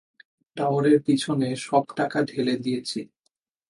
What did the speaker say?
টাওয়ারের পিছনে সব টাকা ঢেলে দিয়েছি।